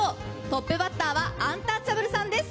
トップバッターはアンタッチャブルさんです。